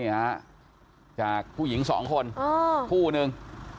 นี่ฮะจากผู้หญิงสองคนผู้หนึ่ง